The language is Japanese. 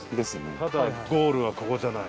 ただゴールはここじゃない。